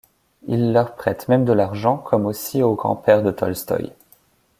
Il leur prête même de l'argent, comme aussi au grand-père de Tolstoï.